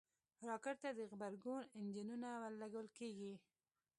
راکټ ته د غبرګون انجنونه لګول کېږي